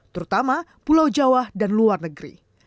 terutama pulau jawa dan luar negeri